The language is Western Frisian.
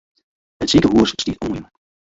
It sikehûs stiet oanjûn.